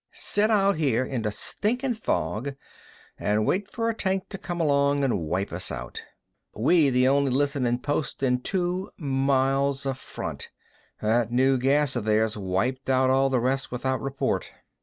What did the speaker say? "Sit out here in th' stinkin' fog an' wait for a tank t' come along an' wipe us out. We' the only listenin' post in two miles of front. That new gas o' theirs wiped out all the rest without report."